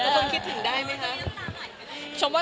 ต้องคิดถึงได้ไหมคะ